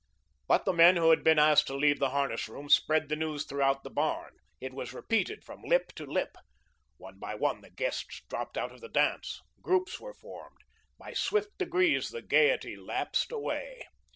But the men who had been asked to leave the harness room spread the news throughout the barn. It was repeated from lip to lip. One by one the guests dropped out of the dance. Groups were formed. By swift degrees the gayety lapsed away.